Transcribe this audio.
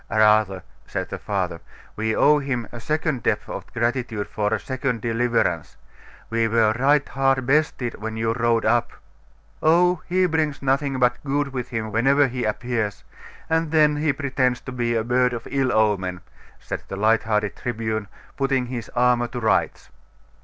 'Rather,' said the father, 'we owe him a second debt of gratitude for a second deliverance. We were right hard bested when you rode up.' 'Oh, he brings nothing but good with him whenever he appears; and then he pretends to be a bird of ill omen,' said the light hearted Tribune, putting his armour to rights.